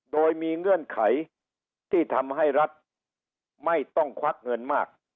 โดยมีเงื่อนไขที่ทำให้รัฐไม่ต้องควักเงินมาก